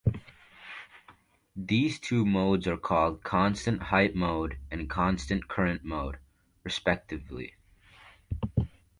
These two modes are called constant height mode and constant current mode, respectively.